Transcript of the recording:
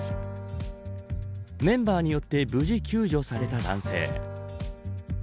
メンバーによって無事救助された男性。